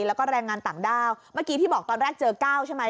แล้วก็แรงงานต่างด้าวเมื่อกี้ที่บอกตอนแรกเจอ๙ใช่ไหม